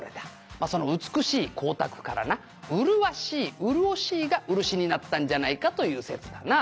「まあその美しい光沢からな麗しい潤しいが漆になったんじゃないかという説だな」